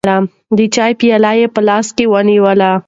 د چای پیاله یې په لاس کې ونیوله.